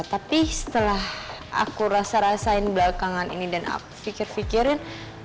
tapi setelah aku rasa rasain belakangan ini dan aku pikir pikirin